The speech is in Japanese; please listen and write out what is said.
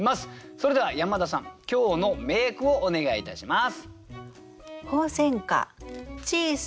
それでは山田さん今日の名句をお願いいたします。